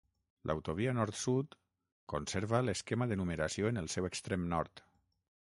L'autovia nord-sud conserva l'esquema de numeració en el seu extrem nord.